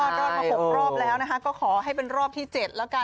รอดมา๖รอบแล้วนะคะก็ขอให้เป็นรอบที่๗แล้วกัน